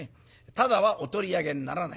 タダはお取り上げにならない。